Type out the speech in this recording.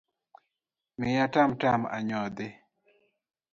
Miya tam tam anyodhi.